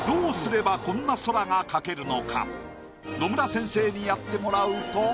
野村先生にやってもらうと。